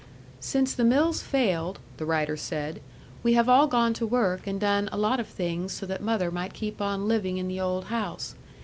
"Since the mills failed" (the writer said) "we have all gone to work and done a lot of things so that mother might keep on living in the old house.